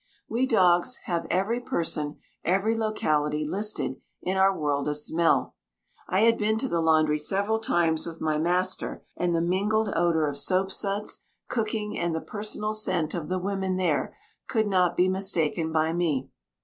We dogs have every person, every locality, listed in our world of smell. I had been to the laundry several times with my master, and the mingled odour of soap suds, cooking, and the personal scent of the women there, could not be mistaken by me.